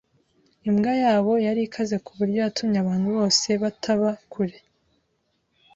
Imbwa yabo yari ikaze kuburyo yatumye abantu bose bataba kure.